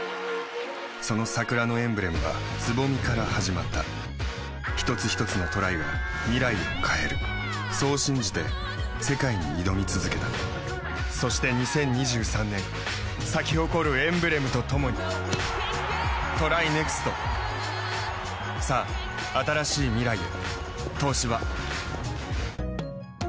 その桜のエンブレムは蕾から始まった一つひとつのトライが未来を変えるそう信じて世界に挑み続けたそして２０２３年咲き誇るエンブレムとともにＴＲＹＮＥＸＴさあ、新しい未来へ。